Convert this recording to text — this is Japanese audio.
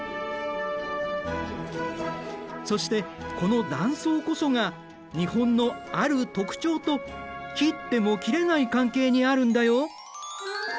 そしてこの断層こそが日本のある特徴と切っても切れない関係にあるんだよ。